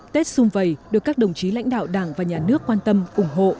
tết xung vầy được các đồng chí lãnh đạo đảng và nhà nước quan tâm ủng hộ